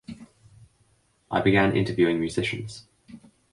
I began interviewing musicians.